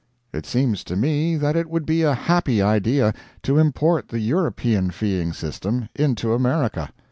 It seems to me that it would be a happy idea to import the European feeing system into America.